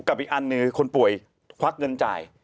อีกอันหนึ่งคนป่วยควักเงินจ่าย